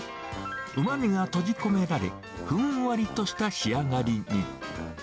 うまみが閉じ込められ、ふんわりとした仕上がりに。